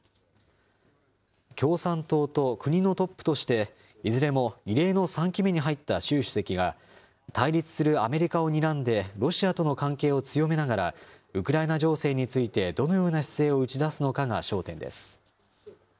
共産党と国のトップとして、いずれも異例の３期目に入った習主席が、対立するアメリカをにらんで、ロシアとの関係を強めながら、ウクライナ情勢についてどのような姿勢を打ち出すのかが焦点です。